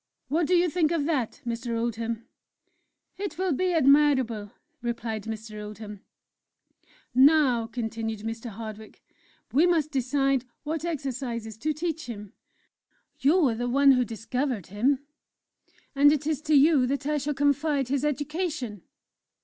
What do you think of that, Mr. Oldham?" "It will be admirable," replied Mr. Oldham. "Now," continued Mr. Hardwick, "we must decide what exercises to teach him. You are the one who discovered him, and it is to you that I shall confide his education."